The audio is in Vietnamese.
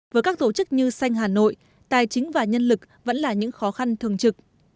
với các tổ chức như xanh hà nội tài chính và nhân lực vẫn là những khó khăn thường trực